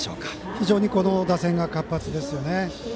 非常に打線が活発ですね。